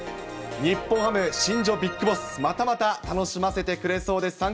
日本ハム、新庄ビッグボス、またまた楽しませてくれそうです。